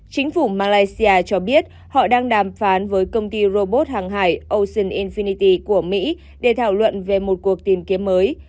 chính phủ malaysia cho biết họ đang đàm phán với công ty robot hàng hải ocean infinity của mỹ để thảo luận về một cuộc tìm kiếm mới